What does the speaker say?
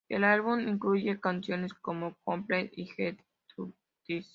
El álbum incluye canciones como "Completely" y "Get Thru This".